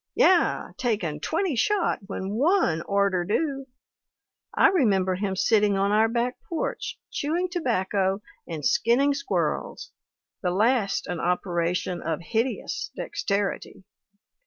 'Yeh taken twenty shot when one orter do.' I remember him sitting on our back porch, chewing tobacco, and skinning squirrels, the last an operation of hideous dexterity.